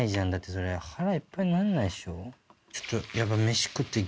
それ腹いっぱいになんないでしょ？